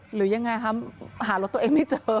หรือยังไงคะหารถตัวเองไม่เจอ